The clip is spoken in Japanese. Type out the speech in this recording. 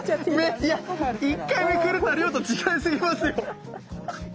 いや一回目くれた量と違いすぎますよ。